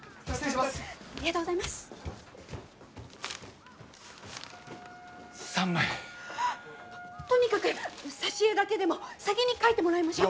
とにかく挿絵だけでも先に描いてもらいましょう！